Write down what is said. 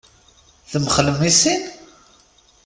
Temxellem i sin?